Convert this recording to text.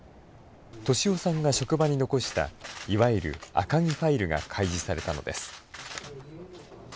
俊夫さんが職場に残したいわゆる赤木ファイルが開示されたのです。